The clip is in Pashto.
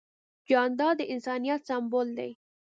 جانداد د انسانیت سمبول دی.